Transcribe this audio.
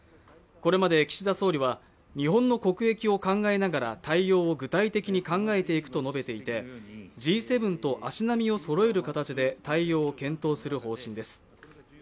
これまで岸田総理は日本の国益を考えながら対応を具体的に考えていくと述べていて、Ｇ７と足並みをそろえる形で対応を検討する方針です。